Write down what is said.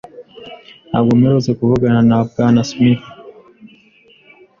Ntabwo mperutse kuvugana na Bwana Smith.